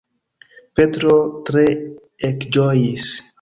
Petro tre ekĝojis!